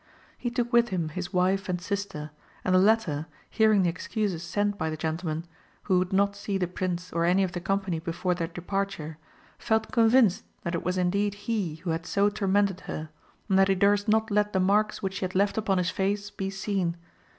He took with him his wife and sister, and the latter, hearing the excuses sent by the gentleman, who would not see the Prince or any of the company before their departure, felt convinced that it was indeed he who had so tormented her, and that he durst not let the marks which she had left upon his face be seen.